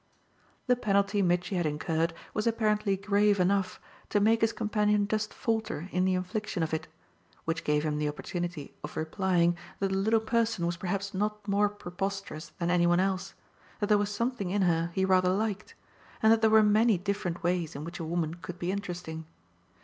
The penalty Mitchy had incurred was apparently grave enough to make his companion just falter in the infliction of it; which gave him the opportunity of replying that the little person was perhaps not more preposterous than any one else, that there was something in her he rather liked, and that there were many different ways in which a woman could be interesting.